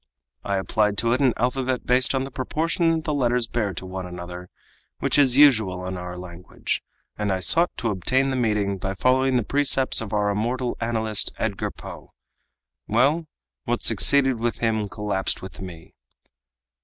I applied to it an alphabet based on the proportion the letters bear to one another which is usual in our language, and I sought to obtain the meaning by following the precepts of our immortal analyst, Edgar Poe. Well, what succeeded with him collapsed with me."